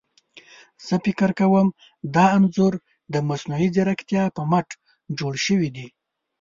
زه فکر کوم چي دا انځور ده مصنوعي ځيرکتيا په مټ جوړ شوي دي.